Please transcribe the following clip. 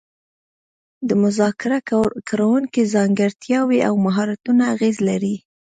د مذاکره کوونکو ځانګړتیاوې او مهارتونه اغیز لري